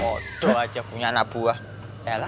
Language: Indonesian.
hah bodoh aja punya anak buah yalah